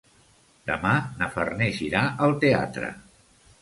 Demà na Farners irà al teatre.